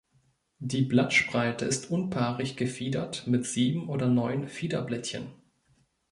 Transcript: Die Blattspreite ist unpaarig gefiedert mit sieben oder neun Fiederblättchen.